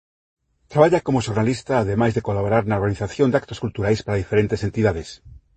Traballa como xornalista ademais de colaborar na organización de actos culturais para diferentes entidades.